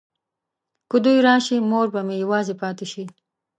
که دوی راشي مور به مې یوازې پاته شي.